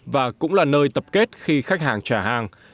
và cũng là nơi tập kết khi khách hàng trả hàng